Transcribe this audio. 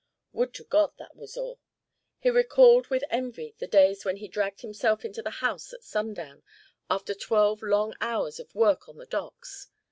Would to God that was all! He recalled with envy the days when he dragged himself into the house at sundown, after twelve long hours of work on the docks.